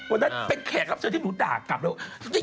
วันนั้นเป็นแขกรับเชิญที่หนูด่ากลับแล้ว